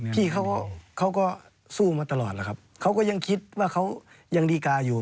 พี่เขาก็สู้มาตลอดแล้วครับเขาก็ยังคิดว่าเขายังดีการ์อยู่